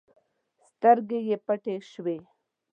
سترګې يې پټې شوې.